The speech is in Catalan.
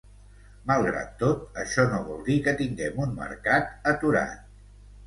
Malgrat tot, això no vol dir que tinguem un mercat aturat.